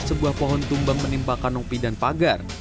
sebuah pohon tumbang menimpa kanopi dan pagar